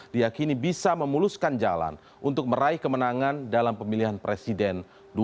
diakini bisa memuluskan jalan untuk meraih kemenangan dalam pemilihan presiden dua ribu sembilan belas